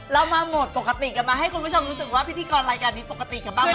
เรามาโหมดปกติกันมาให้คุณผู้ชมรู้สึกว่าพิธีกรรายการนี้ปกติกันบ้าง